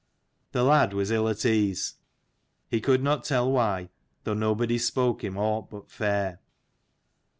The lad was ill at ease: he could not tell why, though nobody spoke him aught but fair.